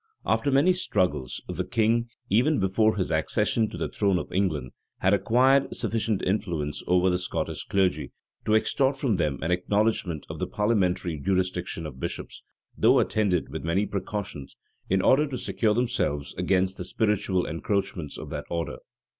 After many struggles, the king, even before his accession to the throne of England, had acquired sufficient influence over the Scottish clergy, to extort from them an acknowledgment of the parliamentary jurisdiction of bishops; though attended with many precautions, in order to secure themselves against the spiritual encroachments of that order.